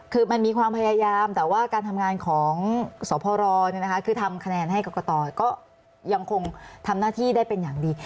คือมันมีความพยายามแต่ว่าการทำงานของสพรคือทำคะแนนให้กรกตก็ยังคงทำหน้าที่ได้เป็นอย่างดี